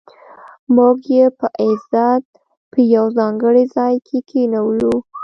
موږ یې په عزت په یو ځانګړي ځای کې کېنولو.